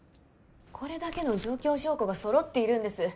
これだけの状況証拠がそろっているんです